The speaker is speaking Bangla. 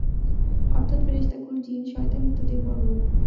অর্থাৎ ফেরেশতাকুল, জিন, শয়তান ইত্যাদির বর্ণনা।